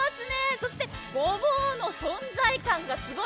そしてごぼうの存在感がすごい。